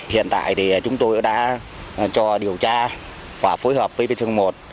hiện tại thì chúng tôi đã cho điều tra và phối hợp với bên sương một